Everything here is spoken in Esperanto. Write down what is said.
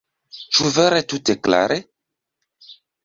Ĉu vere tute klare?